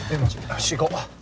よし行こう！